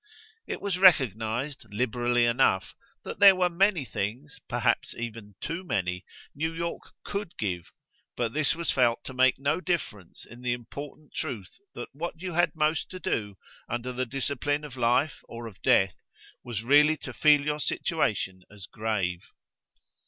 It was recognised, liberally enough, that there were many things perhaps even too many New York COULD give; but this was felt to make no difference in the important truth that what you had most to do, under the discipline of life, or of death, was really to feel your situation as grave.